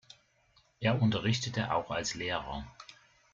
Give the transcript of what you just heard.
Er unterrichtete auch als Lehrer.